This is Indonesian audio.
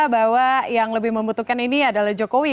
bahwa yang lebih membutuhkan ini adalah jokowi